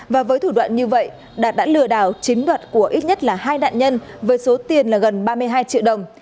và với thủ đoạn như vậy đạt đã lừa đảo chiếm đoạt của ít nhất là hai nạn nhân với số tiền là gần ba mươi hai triệu đồng